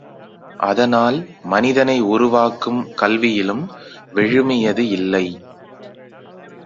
அதனால் மனிதனை உருவாக்கும் கல்வியிலும் விழுமியது இல்லை.